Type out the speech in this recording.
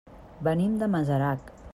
Venim de Masarac.